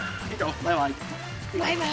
バイバイ。